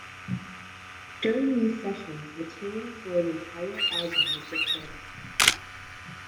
During these sessions, material for an entire album was recorded.